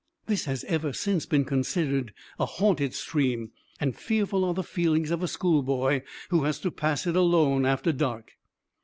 This has ever since been considered a haunted stream, and fearful are the feelings of a schoolboy who has to pass it alone after dark.